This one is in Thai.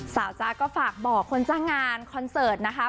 จ๊ะก็ฝากบอกคนจ้างงานคอนเสิร์ตนะคะ